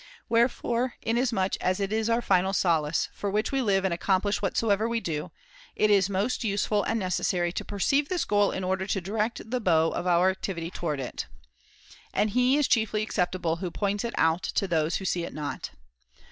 Wherefore, inas much as it [203 is our final solace, for which we live and accomplish whatsoever we do, it is most useful and necessary to perceive this goal in order to direct the bow of our activity towards it. And he is chiefly acceptable who points it out to those who see it not.